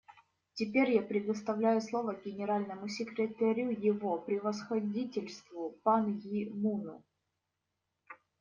Теперь я предоставляю слово Генеральному секретарю Его Превосходительству Пан Ги Муну.